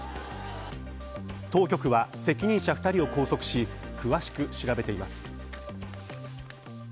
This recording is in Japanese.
当局は責任者２人を拘束し詳しく調べています。